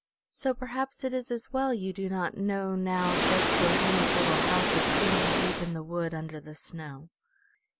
So perhaps it is as well you do not know now just where Helma's little house is standing deep in the wood under the snow.